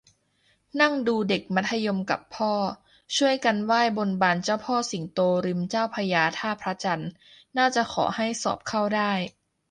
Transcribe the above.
นั่งดูเด็กมัธยมกับพ่อ ช่วยกันไหว้บนบานเจ้าพ่อสิงโตริมเจ้าพระยาท่าพระจันทร์ น่าจะขอให้สอบเข้าได้